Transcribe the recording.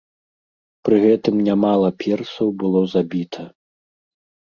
Пры гэтым нямала персаў было забіта.